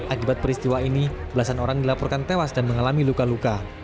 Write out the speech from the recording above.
akibat peristiwa ini belasan orang dilaporkan tewas dan mengalami luka luka